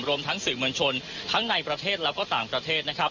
รวมทั้งศึกเมืองชนทั้งในประเทศแล้วก็ต่างประเทศ